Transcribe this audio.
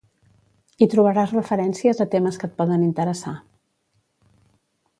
Hi trobaràs referències a temes que et poden interessar.